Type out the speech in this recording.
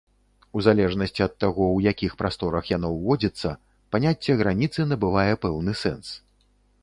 У залежнасці ад таго, ў якіх прасторах яно ўводзіцца, паняцце граніцы набывае пэўны сэнс.